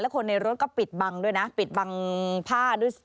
คนในรถก็ปิดบังด้วยนะปิดบังผ้าด้วย